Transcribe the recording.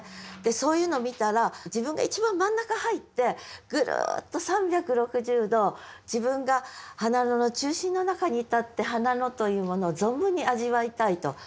そういうの見たら自分が一番真ん中入ってぐるっと３６０度自分が花野の中心の中にいたって花野というものを存分に味わいたいとそんな気持ちになるじゃないですか。